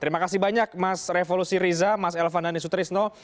terima kasih banyak mas revolusi riza mas elvan dan isu trisno